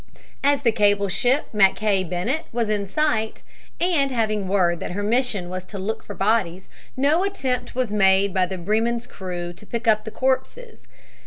As the cable ship Mackay Bennett was in sight, and having word that her mission was to look for bodies, no attempt was made by the Bremen's crew to pick up the corpses.